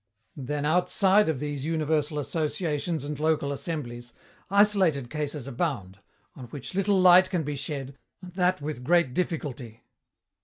"Then, outside of these universal associations and local assemblies, isolated cases abound, on which little light can be shed, and that with great difficulty.